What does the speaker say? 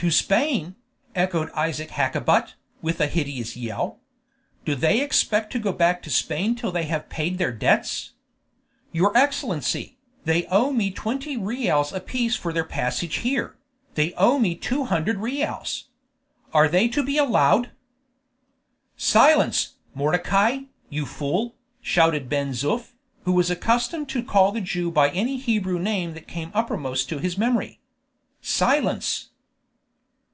"To Spain!" echoed Isaac Hakkabut, with a hideous yell. "Do they expect to go back to Spain till they have paid their debts? Your Excellency, they owe me twenty reals apiece for their passage here; they owe me two hundred reals. Are they to be allowed...?" "Silence, Mordecai, you fool!" shouted Ben Zoof, who was accustomed to call the Jew by any Hebrew name that came uppermost to his memory. "Silence!"